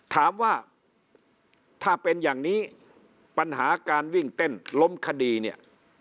ถามว่าถ้าเป็นอย่างนี้ปัญหาการวิ่งเต้นล้มคดีเนี่ย